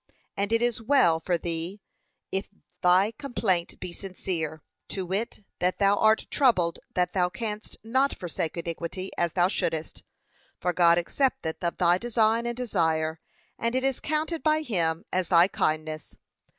And it is well for thee if thy complaint be sincere, to wit, that thou art troubled that thou canst not forsake iniquity as thou shouldest; for God accepteth of thy design and desire, and it is counted by him as thy kindness.